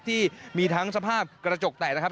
ที่มีทั้งสภาพกระจกแตกนะครับ